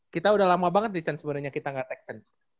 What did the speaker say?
kita udah lama banget nih cen sebenernya kita gak tag kan